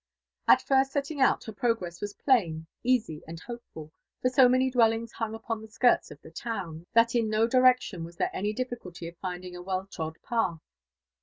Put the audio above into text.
At first setting out, her progress was plain, easy, and hopeful ; forso many dwellings hung upon the skirts of the town, that in 00 direction was there any difficulty of finding a well trod path.